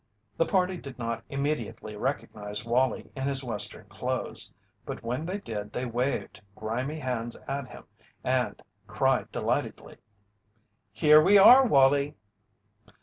The party did not immediately recognize Wallie in his Western clothes, but when they did they waved grimy hands at him and cried delightedly: "Here we are, Wallie!"